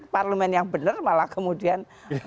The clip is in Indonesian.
parlemen yang benar malah kemudian